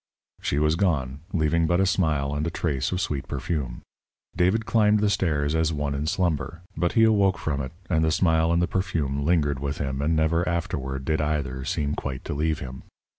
She was gone, leaving but a smile and a trace of sweet perfume. David climbed the stairs as one in slumber. But he awoke from it, and the smile and the perfume lingered with him and never afterward did either seem quite to leave him.